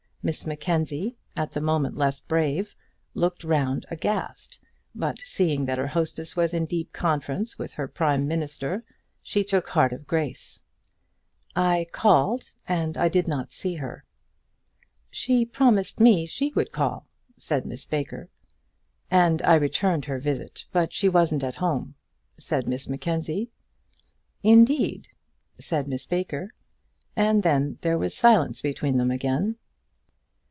Miss Mackenzie, at the moment less brave, looked round aghast, but seeing that her hostess was in deep conference with her prime minister, she took heart of grace. "I called, and I did not see her." "She promised me she would call," said Miss Baker. "And I returned her visit, but she wasn't at home," said Miss Mackenzie. "Indeed," said Miss Baker; and then there was silence between them again.